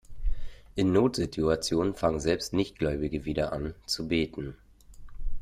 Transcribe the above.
In Notsituationen fangen selbst Nichtgläubige wieder an, zu beten.